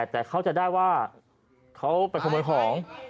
แต่เข้าใจได้ว่าเขาไปขโมยของ